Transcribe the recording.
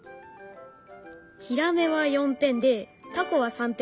ヒラメは４点でタコは３点。